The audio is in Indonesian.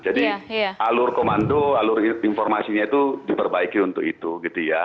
jadi alur komando alur informasinya itu diperbaiki untuk itu gitu ya